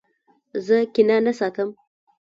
زه کینه نه ساتم.